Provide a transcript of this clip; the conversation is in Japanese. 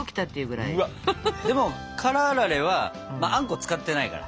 でも辛あられはあんこ使ってないから。